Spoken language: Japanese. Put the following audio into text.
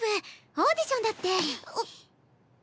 オーディションだってあっ。